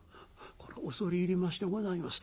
「これは恐れ入りましてございます。